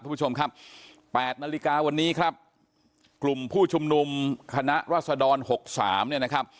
คุณผู้ชมครับ๘นาฬิกาวันนี้ครับกลุ่มผู้ชุมนุมคณะรัศดร๖๓เนี่ยนะครับ